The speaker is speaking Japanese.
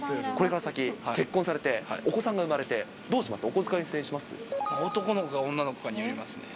これから先、結婚して、お子さんが産まれて、どうします、男の子か女の子かによります